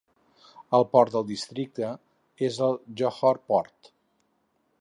El port del districte es el Johor Port.